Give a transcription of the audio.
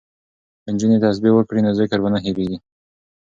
که نجونې تسبیح وکړي نو ذکر به نه هیریږي.